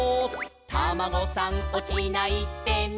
「タマゴさんおちないでね」